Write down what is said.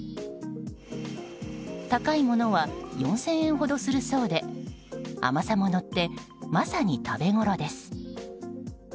高いものは４０００円ほどするそうで甘さも乗ってまさに食べごろです。